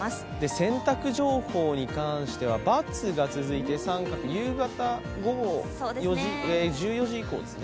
洗濯情報に関しては×が続いて、△、夕方、１４時以降ですね。